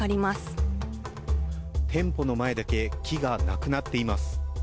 店舗の前だけ木がなくなっています。